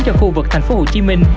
cho khu vực thành phố hồ chí minh